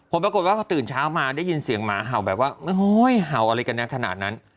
ปรากฏว่าพอตื่นเช้ามาได้ยินเสียงหมาเห่าแบบว่าเห่าอะไรกันนะขนาดนั้น